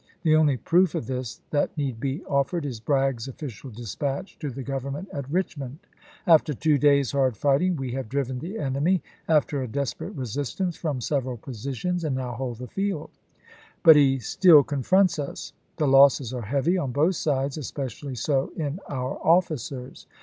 The only proof of this that need be of fered is Bragg's official dispatch to the Grovernment at Richmond :" After two days' hard fighting we have driven the enemy, after a desperate resistance, from several positions, and now hold the field ; but he still confronts us. The losses are heavy on both sides, especially so in our officers.